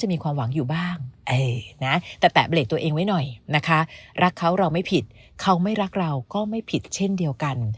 ไม่ผิดเช่นเดียวกัน